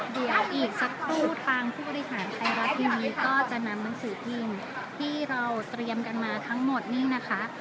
เดี๋ยวอีกสักครู่ทางผู้บริหารไทยรัฐทีวีก็จะนำหนังสือพิมพ์ที่เราเตรียมกันมาทั้งหมดนี่นะคะ